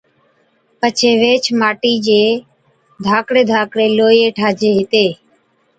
پڇي ويهچ ماٽِي ڌاڪڙي ڌاڪڙي لوئِيئَي ٺاهجي هِتي